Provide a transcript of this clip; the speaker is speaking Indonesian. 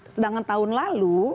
sedangkan tahun lalu